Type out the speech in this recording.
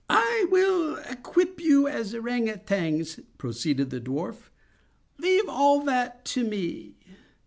"I will equip you as ourang outangs," proceeded the dwarf; "leave all that to me.